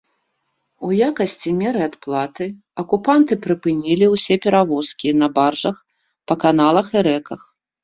У якасці меры адплаты акупанты прыпынілі ўсе перавозкі на баржах па каналах і рэках.